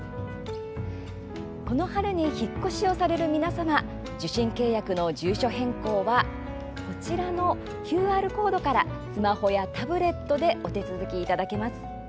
この春に引っ越しをされる皆様受信契約の住所変更はこちらのＱＲコードからスマホやタブレットでお手続きいただけます。